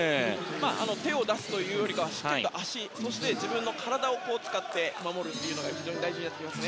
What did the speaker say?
手を出すというよりしっかりと足そして、自分の体を使って守るのが非常に大事になってきます。